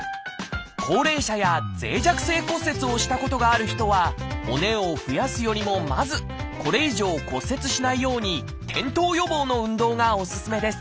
高齢者や脆弱性骨折をしたことがある人は骨を増やすよりもまずこれ以上骨折しないように転倒予防の運動がおすすめです。